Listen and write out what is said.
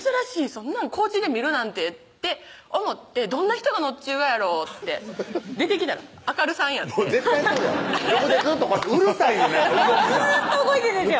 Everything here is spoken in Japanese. そんなん高知で見るなんてって思ってどんな人が乗っちゅうがやろうって出てきたら亜嘉瑠さんやってもう絶対そうやん横でずっとこうやってうるさいねん動きがずーっと動いてるんですよ